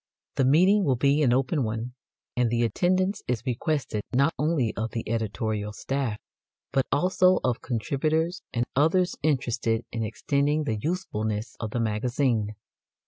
The meeting will be an open one, and the attendance is requested not only of the editorial staff, but also of contributors and others interested in extending the usefulness of the Magazine.